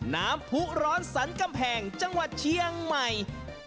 ๑น้ำผู้ร้อนสันกำแผงจังหวัดเชียงใหม่